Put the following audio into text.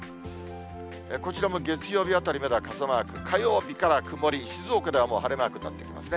こちらも月曜日あたりまでは、傘マーク、火曜日から曇り、静岡ではもう晴れマークになってきますね。